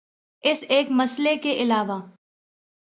اس ایک مسئلے کے علاوہ